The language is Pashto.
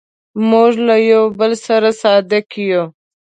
موږ له یو بل سره صادق یو.